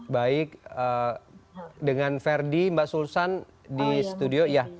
baik dengan verdi mbak sulsan di studio